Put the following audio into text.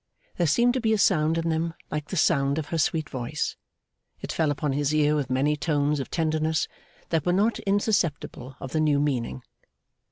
There seemed to be a sound in them like the sound of her sweet voice. It fell upon his ear with many tones of tenderness, that were not insusceptible of the new meaning.